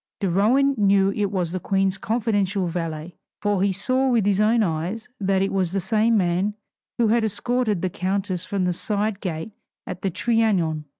De Rohan knew it was the Queen's confidential valet, for he saw with his own eyes that it was the same man who had escorted the countess from the side gate at the Trianon!